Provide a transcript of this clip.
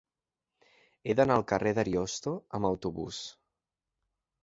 He d'anar al carrer d'Ariosto amb autobús.